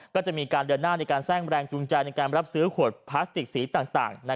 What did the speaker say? ก็จะมีการเดินหน้าในการสร้างแรงจูงใจในการรับซื้อขวดพลาสติกสีต่าง